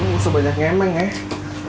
lu gak sebanyak ngemeng ya